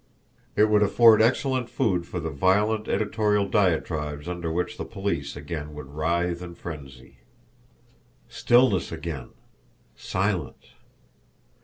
It would afford excellent food for the violent editorial diatribes under which the police again would writhe in frenzy! Stillness again! Silence!